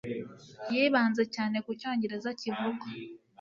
Yibanze cyane ku Cyongereza kivugwa.